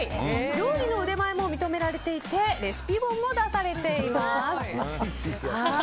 料理の腕前を認められていてレシピ本も出されています。